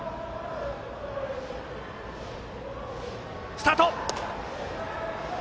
スタート！